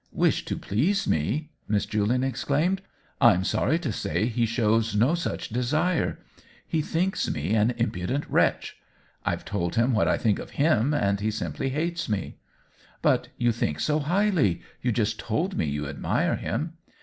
" Wish to please me !" Miss Julian ex claimed. "I'm sorry to say he shows no such desire. He thinks me an impudent 204 OWEN WINGRAVE wretch. I've told him what I think of him^ and he simply hates me." " But you think so highly ! You just told me you admire him."